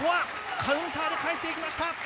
カウンターで返していきました。